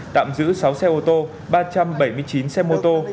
tạm giữ sáu xe ô tô ba trăm bảy mươi chín xe mô tô